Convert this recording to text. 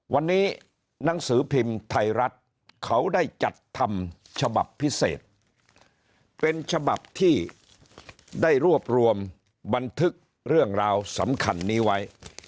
วันนี้หนังสือพิมพ์ไทยรัฐเขาได้จัดทำฉบับพิเศษเป็นฉบับที่ได้รวบรวมบันทึกเรื่องราวสำคัญนี้ไว้